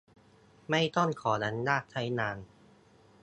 ไม่ต้องขออนุญาตใช้งาน